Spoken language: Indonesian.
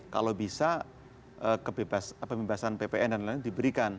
kalau bisa pembebasan ppn dan lain lain diberikan